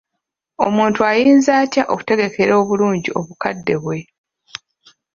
Omuntu ayinza atya okutegekera obulungi obukadde bwe?